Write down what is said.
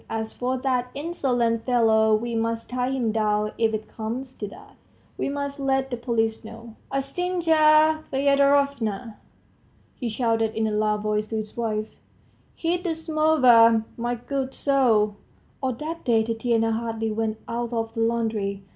As for that insolent fellow, we must tie him down if it comes to that, we must let the police know ... Ustinya Fyedorovna!" he shouted in a loud voice to his wife, "heat the samovar, my good soul ..." All that day Tatiana hardly went out of the laundry.